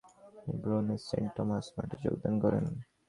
তিনি ব্রুনের Saint Thomas মঠে যোগদান করেন।